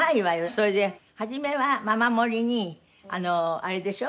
それで初めはママ森にあれでしょ？